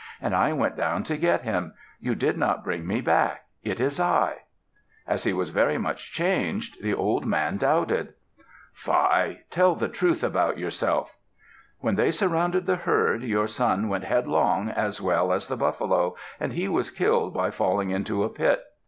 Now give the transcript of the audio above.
"And I went down to get him. You did not bring me back. It is I." As he was very much changed, the old man doubted. "Fie! Tell the truth about yourself." "When they surrounded the herd, your son went headlong as well as the buffalo, and he was killed by falling into a pit.